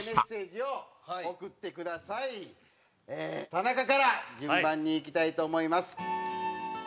田中から順番にいきたいと思います。